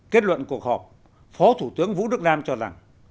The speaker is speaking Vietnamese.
kết luận cuộc họp phó thủ tướng vũ đức đam cho rằng